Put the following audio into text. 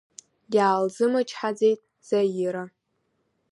Иаалзымычҳаӡеит Заира.